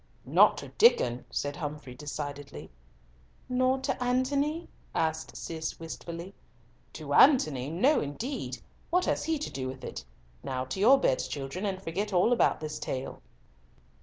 "Not to Diccon," said Humfrey decidedly. "Nor to Antony?" asked Cis wistfully. "To Antony? No, indeed! What has he to do with it? Now, to your beds, children, and forget all about this tale."